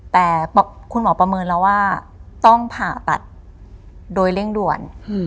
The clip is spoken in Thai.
แต่คุณหมอประเมินแล้วว่าต้องผ่าตัดโดยเร่งด่วน